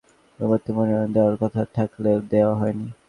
এবার আমাকে হালিমুল হকের পরিবর্তে মনোনয়ন দেওয়ার কথা থাকলেও দেওয়া হয়নি।